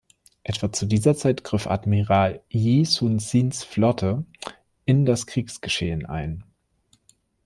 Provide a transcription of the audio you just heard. Etwa zu dieser Zeit griff Admiral Yi Sun-sins Flotte in das Kriegsgeschehen ein.